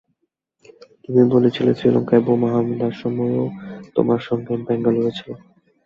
তুমি বলেছিলে শ্রীলংকায় বোমা হামলার সময় ও তোমার সাথে ব্যাঙ্গালোরে ছিল।